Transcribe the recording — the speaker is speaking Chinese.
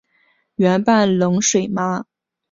圆瓣冷水麻